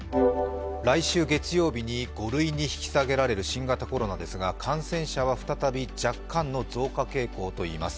来週月曜日に５類に引き下げられる新型コロナですが、感染者は再び若干の増加傾向といいます。